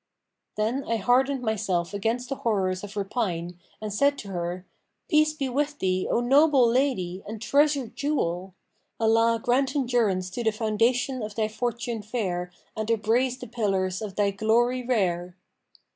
Then I hardened myself against the horrors of repine and said to her, 'Peace be with thee, O noble Lady, and treasured jewel! Allah grant endurance to the foundation of thy fortune fair and upraise the pillars of thy glory rare!'